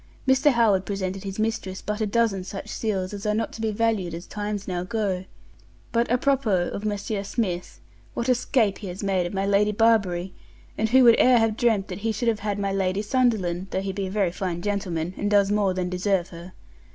Mr. Howard presented his mistress but a dozen such seals as are not to be valued as times now go. But à propos of Monsr. Smith, what a scape has he made of my Lady Barbury; and who would e'er have dreamt he should have had my Lady Sunderland, though he be a very fine gentleman, and does more than deserve her.